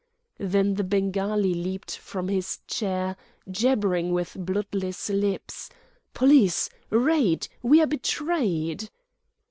Then the Bengali leaped from his chair, jabbering with bloodless lips. "Police! Raid! We are betrayed!"